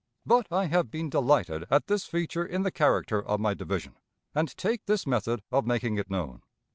But I have been delighted at this feature in the character of my division, and take this method of making it known.